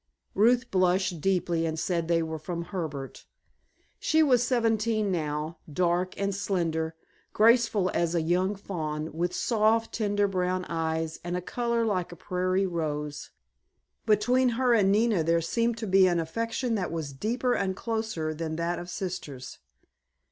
Ruth blushed deeply and said they were from Herbert. She was seventeen now, dark and slender, graceful as a young fawn, with soft, tender brown eyes and a color like a prairie rose. Between her and Nina there seemed to be an affection that was deeper and closer than that of sisters.